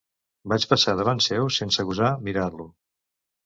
Vaig passar davant seu sense gosar mirar-lo.